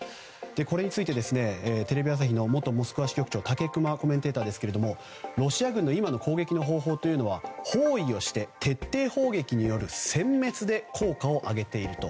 これについて、テレビ朝日の元モスクワ支局長の武隈コメンテーターですがロシア軍の今の攻撃の方法は方位をして徹底砲撃による殲滅で効果をあげていると。